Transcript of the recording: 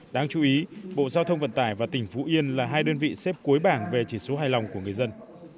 đáng chú ý bộ giao thông vận tải và tỉnh phú yên là hai đơn vị xếp cuối bảng về chỉ số hài lòng của người dân